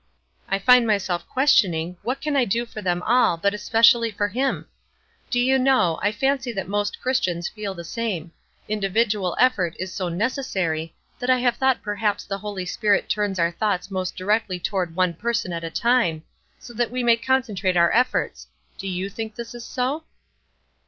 I find myself questioning, What can I do for them all, but especially for him? Do you know, I fancy that most Christians feel the same; individual effort is so necessary that I have thought perhaps the Holy Spirit turns our thoughts most directly toward one person at a time, so that we may concentrate our efforts. Do you think this is so?"